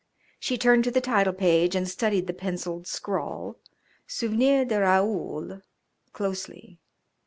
She turned to the title page and studied the pencilled scrawl "Souvenir de Raoul" closely.